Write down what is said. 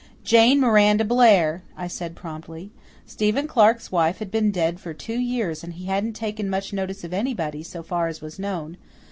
"Jane Miranda Blair," I said promptly. Stephen Clark's wife had been dead for two years and he hadn't taken much notice of anybody, so far as was known.